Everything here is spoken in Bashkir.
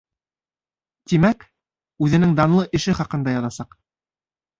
Тимәк, үҙенең данлы эше хаҡында яҙасаҡ.